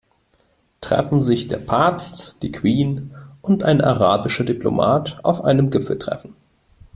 Treffen sich der Papst, die Queen und ein arabischer Diplomat auf einem Gipfeltreffen.